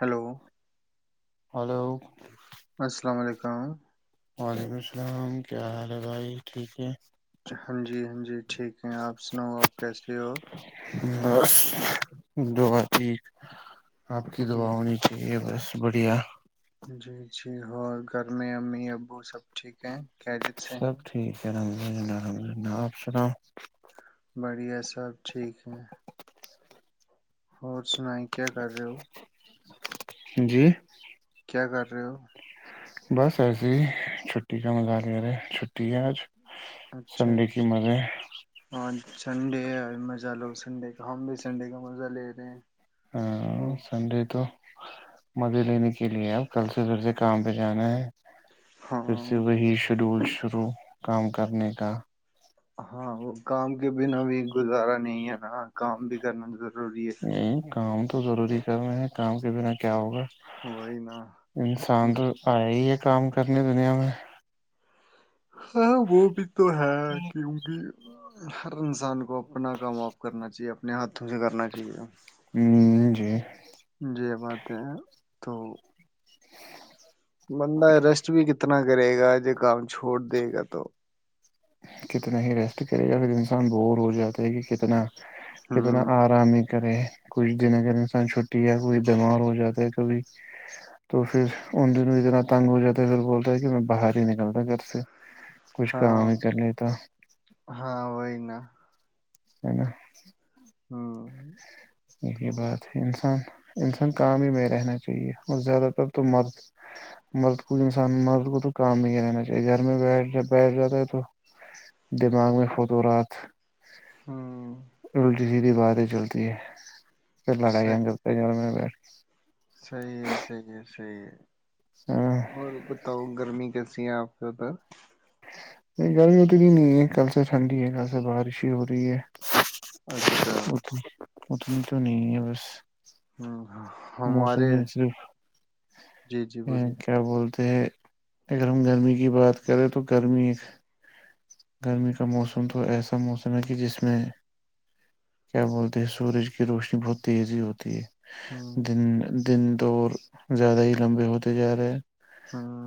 Hello hello السلام علیکم وعلیکم السلام کیا حال ہے بھائی ٹھیک ہے ہاں جی ہاں جی ٹھیک ہیں آپ سناؤ آپ کیسے ہو بس دو بات ٹھیک آپ کی دوا ہونی چاہیے بس بس بڑھیا جی جی اور گھر میں امی ابو سب ٹھیک ہیں خیریت سے سب ہیں ٹھیک ہے الحمد اللہ چپ رہ چپ رہ بڑھیا سب ٹھیک ہیں [unintelligible] سناائی کیا کر رہے ہو جی کیا کیا کر رہے ہو بس ایسے ہی چھٹی کا مزال ہے رہے چھٹی ہے آج اچھا سنڈے کی اچھا مزے سنڈے مزہ لو سنڈے کا ہم بھی سنڈے کا مزہ لے رہے ہیں خوب [inaudible] مزے لینے کے لیے ہم کل سے کام پہ جانا ہے ہاں پھر سے وہی شیڈول شرو کام کر کرنے کا ہاں وہ کام کے بنا بھی گزارا نہیں ہے نا کام بھی کرنا ضروری ہے یہ کام تو ضروری کر رہے ہیں کام کے بنا کیا ہوگا وہی نا انسان تو ہی کام کرنی دنیا میں ہاں وہ بھی تو ہے کیونکہ ہر انسان کو اپنا کام آ کرنا چاہیے اپ اپنے ہاتھوں سے کرنا چاہیے ہاں جی تے ہیں تو بند ریسٹ بھی اتنا کرے گا جو کام چھوڑ دے گا تو کتنا ہی ریسٹ کرے گا پھر انسان بور ہو جاتا ہے کہ کتنا کتنا ہوں آرام [inaudible] کچھ دن اگر انسانھٹی یا کوئی بیمار ہو جاتا ہے کب تو پھر ان دن اتنا تنگ ہو جاتا ہے پھر بولتا ہے کہ میں باہر ہی نکلتا گھر سے کچھ کام ہاں ہے ہاں وہی نا ہیں نہ ہوں یہی تو بات ہے انسان انسان کام ہی میں رہنا چاہیے اور زیادہ تر تو مرد مرد کو انسان مرد کو تو کام ہی ہی رہنا چاہیے گھر میں بیٹھ ج بیٹھ جاتا ہے تو دماغ میں فط رات ہاں الٹی سیدھی باتیں چلتی ہے پھر لڑائیاں صحیح جلتے میں بیٹھ صحیح ہے صیح ہے صحیح ہے ہاں اور بتاؤں گی گرمی کیسی ہے آپ کے ادھر نہیں گرمی اتنی نہیں ہے کل سے ٹھنڈی ہے کل سے بارش ہی ہو رہی ہے اچھا اتنی تو نہیں ہے بس موسم ہمارے میں صرف جی جی بولیے تو اگر ہم گرمی کی بات کریں تو گرمی ایک گرمی کا موسم تو ایسا موسم ہے کہ جس میں کیا بولتے ہیں سورج کی روشنی بہت تیزی ہوتی ہے ہوں ج دن دور زیادہ ہی لمبے ہوتے جا رہے ہیں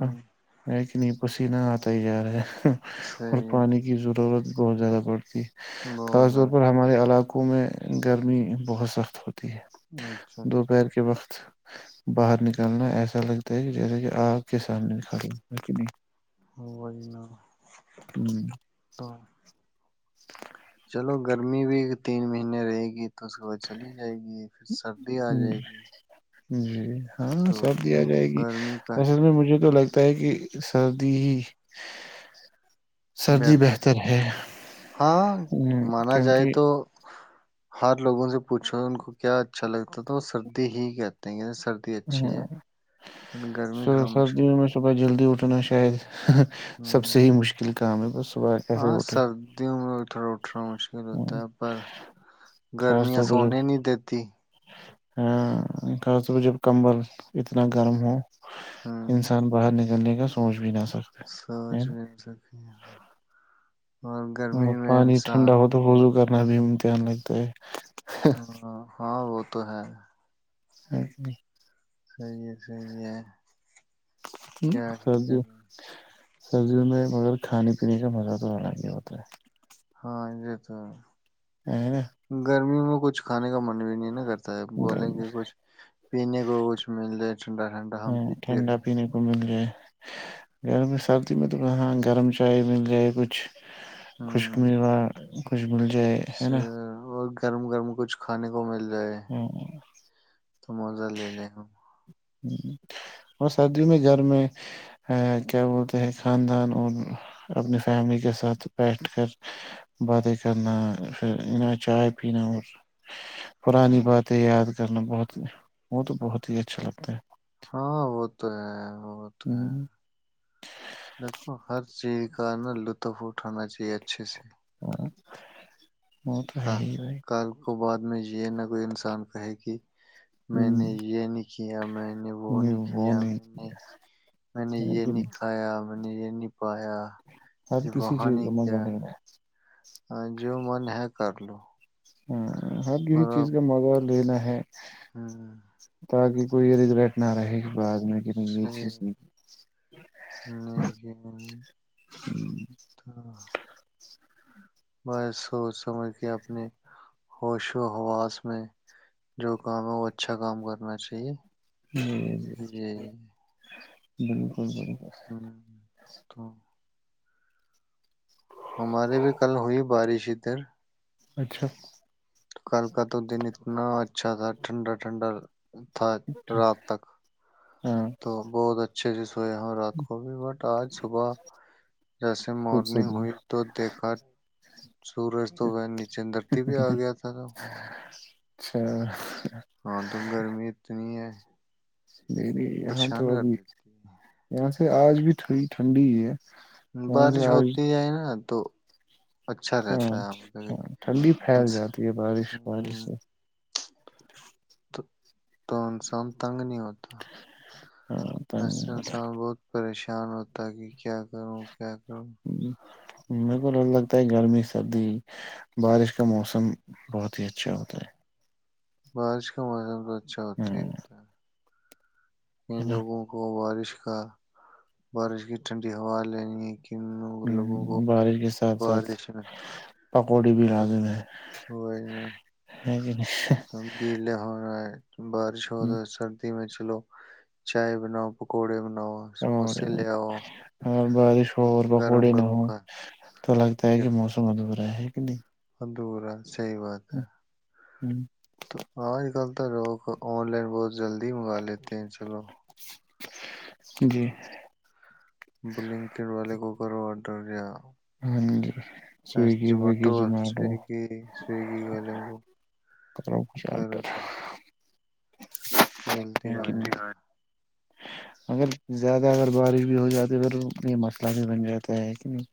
ہاں ایک کت نہیں پسینہ آتا ہی جا رہا ہے اور صحیح ہے پانی کی ضرورت بہت زیادہ اور کی بہت خاص طور پر زیادہ ہمارے علاق عقوں میں گرمی بہت سخت ہوتی ہے اچھا ہے اچھا دوپہر کے وقت باہر نکالنا ایسا لگتا ہے کہ جیسے کہ آگ کے سامنے ن کالی نہیں ہو وہج ن ہوں لو گرمی بھی تین مہینے رہے گی تو اس کے بعد چلی جائے گی پھر سردی آ جائے گی جی [unintelligible] ہاں تو سب بھی آ جائے گی گرمی کا اصل میں مجھے تو لگ [unintelligible] پے کہ سردی ہی [unintelligible] سردی بہتر ہے ہاں مانا جائے کیونکہ تو ہر لوگوں سے پوچھو ان کو کیا اچھا لگتا تھا وہ سردی ہی کہتے ہیں کہ [unintelligible] سردی اچھی ہے اور گرمی تھوڑا مشہور [unintelligible] لوٹنا شاید [unintelligible] سب سے ہی مشکل کام ہے بس [unintelligible] ہاں اٹھے سردیوں میں اٹھرا اٹ رہا مشل ہوتا ہے پر خاص گرمیاں طور پہ سونے جب نہیں دیتی [unintelligible] ہاں [unintelligible] کا بجب کمبل [unintelligible] اتنا گرم ہو ہاں [unintelligible] انسان باہر نہیں [unintelligible] کا سوچ بھی نہیںا ہے [unintelligible] سوچ نا میں نہیں سکی [unintelligible] گرمی اور پانی ٹھنڈا ہو تو وضو کرنا بھی کیاان لگتا ہے [unintelligible] ہاں ہاں وہ تو ہے [inaudible] [inaudible] صی ہے صی ہے کیا ہی سبزی کر سبزیوں میں مگر کھانے پینے کا مزہ تو الگ ہی ہوتا ہے ہاں یہ تو ہے نا گرمی میں کچھانے کا من بھی نہیں نا کرتا بولیں کہ کچھ پینے کو کچھ مل جائے ٹھنڈا ٹھنڈا ہم پیتے رہے گرمی سردی میں تواں گرم چائے مل جائے کچھ ہوں خوشکمی وا بول جائے ہے نا سے اور گرم گرم کچھ کھانے کو مل ئے تو مزہ لے لے اور سردی میں گھر میں کیا بولتے ہیں خاندان اور اپنی فیملی کے ساتھ بیٹھ کر باتیں کرنا پھر چائے پینا اور پرانی باتیں یاد کرنا بہت وہ تو بہت ہی اچھا لگتا ہے تو [inaudible] ہاں وہ تو ہے بہت ہیں ہ [inaudible] دیکھو ہر چیز کا نا لطف اٹھانا چاہیے اچھے سے ہاں [inaudible] وہ تو ہے کا ہی بھائی کل کو بعد میں یہ نہ کوئی انسان کہے کہ ہ میں نے یہ نہیں کیا میں نے وہ نہیں وہ کیا نہیں میں نے میں نے ہے یہ کہ نہیں کھایا میں نے یہ نہیں پایا ہر یہ کسی وہاں چیز کا نہیں مزہ گیا لینا ہاں، جو من ہے کر لو ہاں [inaudible] ہر کسی چیز کا مزہ لینا ہے ہاں تاکہ کوئی ریگریٹ نہ رہے گبعد میں یہ سے چیز نہیں کہ کی۔ تو [inaudible] بس سوچ سمجھ کے اپنے ہوش و ہوواس میں جو کام ہے وہ اچھا کام کرنا چاہیے ہی جی یہی جی [inaudible] ہم، تو [inaudible] ہمارے بھی کل ہوئی بارش ادھر [unintelligible] اچھا [inaudible] کل کا تو دن اتنا اچھا تھا ٹھنڈا ٹھنڈا [unintelligible] تھا رات تک ہاں [inaudible] تو بہت اچھا [unintelligible] اچھا [inaudible] ہ رات کو بھی بٹ آج صبح جیسے خب سے مارننگ د ہوئی تو دیکھا سورج تو وہ نیچے درتی بھی آ گیا تھا تو [unintelligible] اچھا [unintelligible] ہاں تو گرمی اتنی ہے [unintelligible] ج [inaudible] نہیں نہیںی یہاں تو پریشان کر ابھی دیتی ہے یہاں سے [unintelligible] آج بھی تھی ٹھنڈی ہی ہے [unintelligible] یہاں بارش سے آج ہوتی جائے نا دو [inaudible] ہاں ہاں ٹھنڈی پھیل انس- جاتی ہے بارش بارش ہوں، سے [inaudible] تو انسام تنگ نہیں ہو ہاں ای انسان بہت پریشانی پشان ہوتا کہ کیا کروں کیا کروں بالکل ال لگتا ہے گرمی سردی بارش کا موسم بہت ہی اچھا ہوتا ہے بارش کا موسم تو اچھا ہ ہوتے ہی ہوتا ہے ان ہے نا لوگوں کو بارش کا بارش کی ٹھنڈی ہوا لینے کی ہ بارش کے ساتھ ساتھ بارش پکوڑے بھی میں لازم ہے جاں جی توم گیلے ہو رہا ہے بارش ہو نہیں تو سردی میں چلو چائے بناؤ پکوڑے بنا اور اور بارش ہو تو اور گرم پکوڑے نہ گرم ہوں کا تو لگتا ہے کہ موسم اد رہے کہ نہیں اڈور صحیح بات ہے ہوں تو آج کل تو لوگ آن لائن بہت جلدی منگا لیتے ہیں چلو جی بلنکڈ والے کو کر وڈری ہاں جی سویگی ویگی جوماٹو زومیٹو سویگی سویگی گ لم وہو کرو کچھ آ ڈر چلتی ہو جا اگر زیادہ اگر بارش بھی ہو جاتی تو یہ مسئلہ بھی بن جاتا ہے کہ نہیں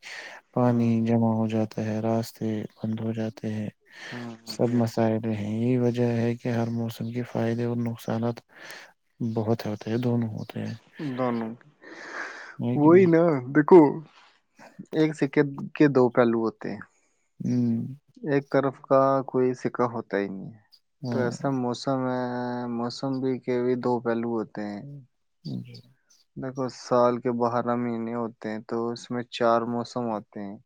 پانی ہوں جمع ہو جاتا ت راستے بند ہو جاتے ہیں ہوں ج ے یہی وجہ ہے کہ ہر موسم کے فائدے اور نقصانات بہت ہوتے ہے دونوں ہوتے ہیں دونوں ہے کہ وہی نہیں نا دیکھو ایک سکے کے دو پہلو ہوتے ہیں ایک طرف [inaudible] کا کوئی سکا ہوتا ہی نہیں ہے ہ تو ہاں ایسا موسم ہے موسم بھی کے بھی دو پہلو ہوتے ہیں جی [inaudible] دیکھو سال کے بارہ مہینے ہوتے ہیں تو اس میں چار موسم آتے ہیں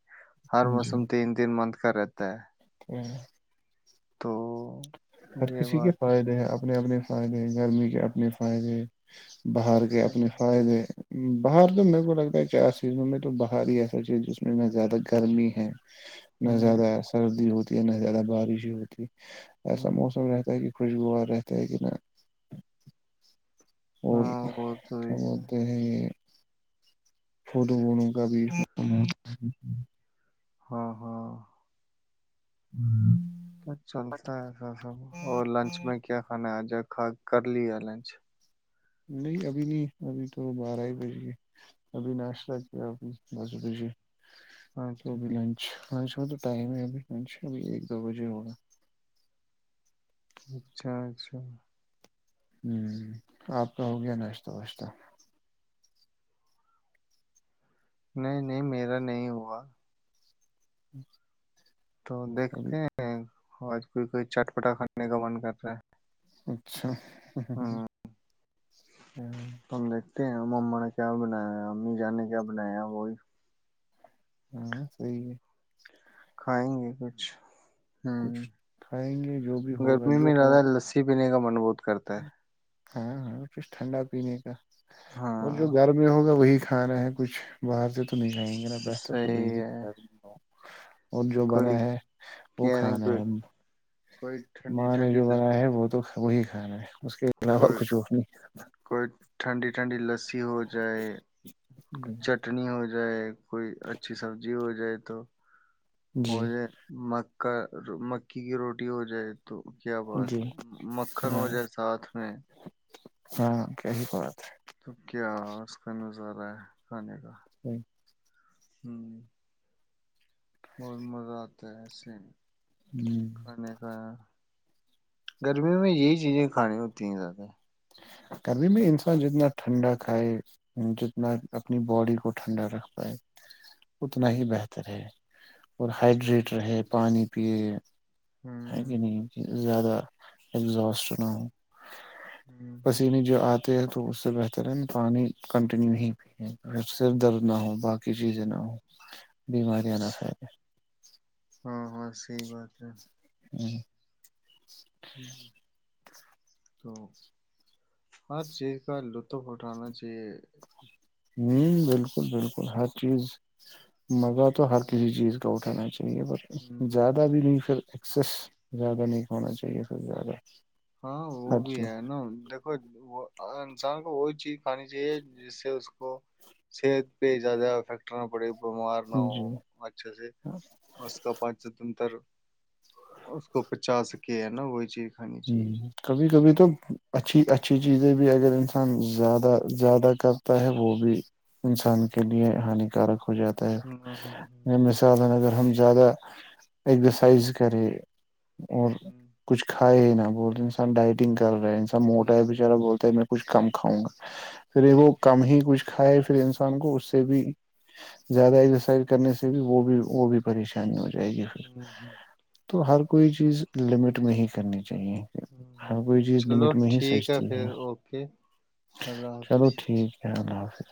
ہر جی موسم تین تین مت کرتا ہے و [inaudible] تو ہر یہ کسی کے بات ہے فائدے ہیں اپنے اپنے فائدے گرمی کے اپنے فائدے باہر کے صحیح اپنے فائدے باہر تو میرے کو لگتا ہے چار سیزنوں میں تو باہر ہی ایسا چیز جس میں میں زیادہ گرمی ہے نہ ہوں زیادہ سردی ہوتی نہ زیادہ بارش ہی ہوتی ہے ایسا ہوں موسم رہتا ہے کہ خوشگوا رہتا ہے کہ ن اور ہاں وہ تو کیا ہی ہے م ہے فوٹو ووٹو کا بھی [unintelligible] ہاں ہاں ہوں [inaudible] چلتا ہےسا سب اور لنچ میں کیا کھانا ہے آ ج کا کر لیا لنچ [inaudible] نہیں ابھی نہیں ابھی تو بارہ ہی بج گئے ابھی ناشتہ کیا ابھی دس بجے اچھا چوب لنچ [inaudible] لنچ میں تو ٹائم ہے ابھی لچ ابھی ایک دو بجے ہوگا اچھا اچھا ہوں آپ کا ہو گیا ناشتہ واشتہ نہیں نہیں میرا نہیں ہوا اچ [inaudible] تو دیکھتے ہیں آج کوئی کوئی چٹپٹا کھانے کا من کر رہا ہے اچھا [inaudible] ہ ہ ہ ہ ہوں ہاں [inaudible] کہ مما نے کیا بنایا امی جان نے کیا بنایا وہی ہاں صی ہے کھائیں گے کچھ ہوں کچھ کھائیں گے جو بھی ہوگا جو ہوں نے کا منبوت کرتا ہے ہاں ہاں کچھ ٹھنڈا پینے کا اور ہاں جو گھر میں ہوگا وہی کھا رہے ہیں کچھ باہر سے تو نہیں جائیں گے نا بہتر تو صحیح ہے وہ اور جو کوئی بنا ہے وہ کہہ رہے ہیں، کھانا کوئی ہے کوئی ٹھنڈی ماں نے ٹھنڈی جو بنا ہے وہ تو تو وہی ہ اس کے خلاف اور کوئی کچھ وہ نہیں کوئی ٹھنڈی ٹھنڈی لسی ہو جائے کچھ چٹنی ہو جائے جائے کوئی اچھی سبزی ہو جائے تو ہو جی ج م کا مکی کی روٹی ہو جائے تو کیا بات جی ہے مکھن ہو ہاں جائے ساتھ میں ہاں کہسی کوات ہے تو کیا آاز کا نظارہ ہے کھانے کا ہوں ہوں بہت مزہ آتا ہے ایسے میں ہ ک نہیں کا گرمیوں میں یہی چیزیں کھانی ہوتی ہیں زیادہ گرمی میں انسان جتنا ٹھنڈا کھائے جتنا اپنی باڈی کو ٹھنڈا رکھ پائے اتنا ہوں ہی بہتر ہے اور صحیح ہائڈریٹ رہے پانی پ ہے کہ ہوں نہیں زیادہ اگزاسٹ نہ ہو ہوں پسینے جو آتے تو اس سے بہتر ہے پانی کنٹینیو ہی پییں صر درد نہ ہو باقی چیزیں نہ ہوں بیماریاں نہ پھیلیں ہاں ہاں صحی بات ہے جی [inaudible] ہ تو ہر چیز کا لطف اٹھانا چاہیے [inaudible] ہ بالکل بالکل ہر چیز مزہ تو ہر کسی چیز کا اٹھانا چاہیے چے ب ہوں، زیادہ بھی نہیں پھر سس زیادہ نہیں ہونا چاہیے پھر زیادہ ہاں وہ ہر بھی ہے نا دیکھو وہ سا کو ہوچے ھانی چاہیے جس سے صحت پہ زیادہ افیکٹ کرنا پڑے گ بیمار نہ چیز ہو جی اچھے سے ہ اس کا پانچ س تنتر اس کو پچا سک کہ نا وہ چی ہ کبھی کبھی تو اچھی اچھی [unintelligible] چیزیں بھی اگر انسان زیادہ زیادہ کرتا ہے وہ بھی انسان کے لیے ہانیکارک ہو ہو جاتا ہے یہ مثال ہے اگر ہم زیادہ ایکزرسائز کریں اور کچھ ہ نا بول رہے ہیں سر ڈائٹنگ کر رہے ہیں ا مٹا ہے بچارا بولتا ہے میں کچھ کم کھاؤں گا پھر وہ کم ہی کچھ کھائے پھر انسان کو اس سے بھی زیادہ ایکسرسائز کرنے سے بھی وہ بھی وہ بھی پریشانی ہو ج ہوں ہوں تو ہر کوئی چیز لمٹ نہیں ہی کر اہ ہر کوئی چیز چلو لمٹ میں ہی ٹھیک سجتی ہے پھر اوکے اللہ چلو حافظ ٹھیک ہے چ اللہ حافظ